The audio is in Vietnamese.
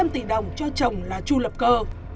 ba trăm linh tỷ đồng cho chồng là chu lập cơ